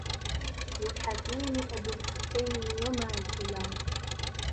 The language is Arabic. قل للحكيم أبي الحسين ومن جلا